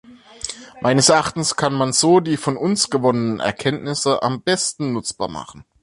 Meines Erachtens kann man so die von uns gewonnenen Erkenntnisse am besten nutzbar machen.